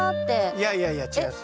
いやいやいや違います。